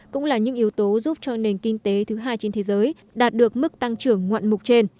cũng là những yếu tố giúp cho nền kinh tế thứ hai trên thế giới đạt được mức tăng trưởng ngoạn mục trên